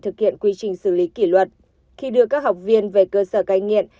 thực hiện quy trình xử lý kỷ luật khi đưa các học viên về cơ sở cai nghiện